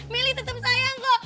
meli tetep sayang kok